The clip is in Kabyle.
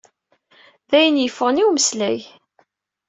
D ayen yeffɣen i umeslay.